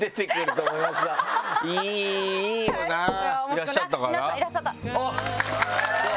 いらっしゃったかな？